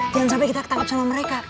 jangan sampai kita takut sama mereka